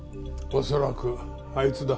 恐らくあいつだ。